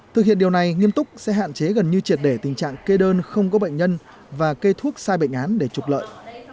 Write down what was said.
thực hiện điều này nghiêm túc sẽ hạn chế gần như triệt để tình trạng kê đơn không có bệnh nhân và kê thuốc sai bệnh án để trục lợi